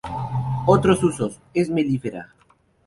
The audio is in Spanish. Otros usos: Es melífera.